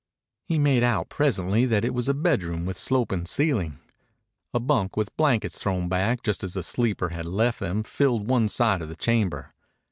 He made out presently that it was a bedroom with sloping ceiling. A bunk with blankets thrown back just as the sleeper had left them filled one side of the chamber.